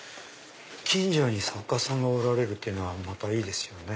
近所に作家さんがおられるのはまたいいですよね。